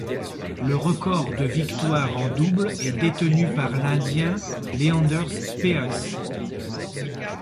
Le record de victoires en double est détenu par l'Indien Leander Paes.